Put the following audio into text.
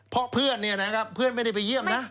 เพราะเพื่อนเนี่ยนะครับเพื่อนไม่ได้ไปเยี่ยมนะ